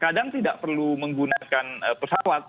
kadang tidak perlu menggunakan pesawat